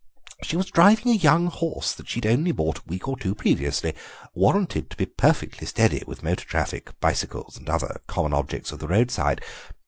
She was driving a young horse that she'd only bought a week or two previously, warranted to be perfectly steady with motor traffic, bicycles, and other common objects of the roadside.